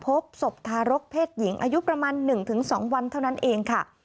พบศพทารกเพศหญิงอายุประมาณ๑๒วันเท่านั้นเองค่ะ